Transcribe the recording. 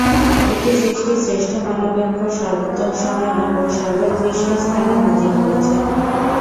এটি সৃষ্টির শ্রেষ্ঠ মানবের উপর সর্বোত্তম সময়ে ও সর্বোৎকৃষ্ট স্থানে নাযিল করেছেন।